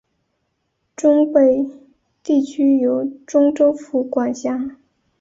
忠北地区由忠州府管辖。